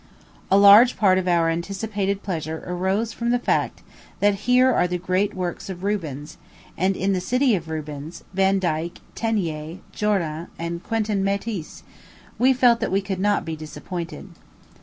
A large part of our anticipated pleasure arose from the fact that here are the great works of Rubens; and in the city of Rubens, Vandyke, Teniers, Jordaens, and Quentin Matsys, we felt that we could not be disappointed.